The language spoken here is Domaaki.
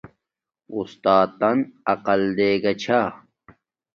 اُساتن عقل دیگا چھا